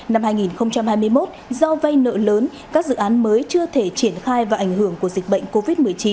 năm hai nghìn hai mươi một do vay nợ lớn các dự án mới chưa thể triển khai và ảnh hưởng của dịch bệnh covid một mươi chín